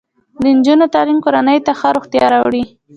د نجونو تعلیم کورنۍ ته ښه روغتیا راوړي.